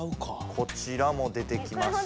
こちらも出てきました。